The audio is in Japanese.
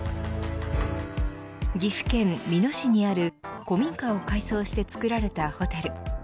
岐阜県美濃市にある古民家を改装して作られたホテル。